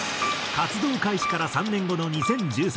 活動開始から３年後の２０１３年